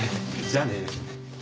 じゃあね。